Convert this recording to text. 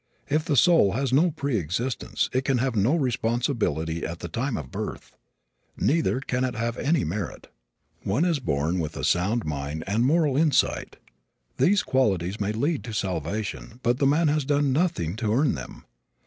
If the soul has no pre existence it can have no responsibility at the time of birth. Neither can it have any merit. One is born with a sound mind and moral insight. These qualities may lead to salvation but the man has done nothing to earn them.